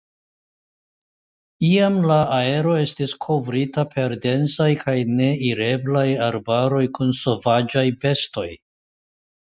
Iam la areo estis kovrita per densaj kaj neireblaj arbaroj kun sovaĝaj bestoj.